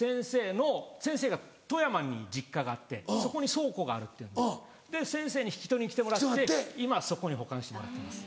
先生が富山に実家があってそこに倉庫があるっていうんで先生に引き取りに来てもらって今そこに保管してもらってます。